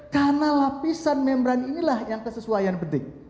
karena lapisan membran inilah yang kesesuaian penting